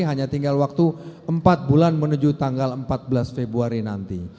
hanya tinggal waktu empat bulan menuju tanggal empat belas februari nanti